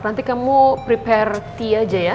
nanti kamu prepare tea aja ya